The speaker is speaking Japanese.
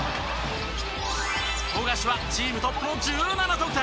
富樫はチームトップの１７得点。